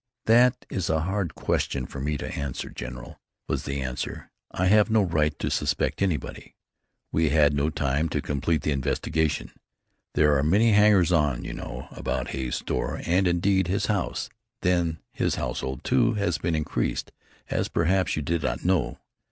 "That is a hard question for me to answer, General," was the answer. "I have no right to suspect anybody. We had no time to complete the investigation. There are many hangers on, you know, about Hay's store, and indeed, his house. Then his household, too, has been increased, as perhaps you did not know.